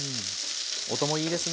音もいいですね。